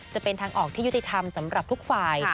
จะเป็นทางออกที่ยุติธรรมสำหรับทุกฝ่าย